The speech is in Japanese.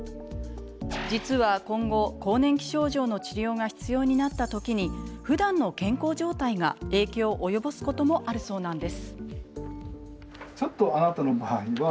実は今後、更年期症状の治療が必要になった時にふだんの健康状態が影響を及ぼすこともあるそうなんです。